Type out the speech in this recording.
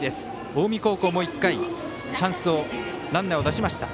近江高校も１回、ランナーを出しました。